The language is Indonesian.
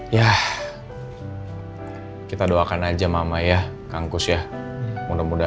iya ibu malika juga sayang banget sama masa